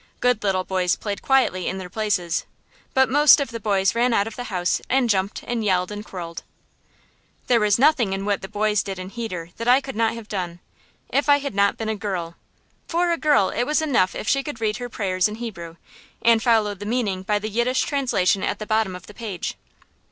Good little boys played quietly in their places, but most of the boys ran out of the house and jumped and yelled and quarrelled. There was nothing in what the boys did in heder that I could not have done if I had not been a girl. For a girl it was enough if she could read her prayers in Hebrew, and follow the meaning by the Yiddish translation at the bottom of the page.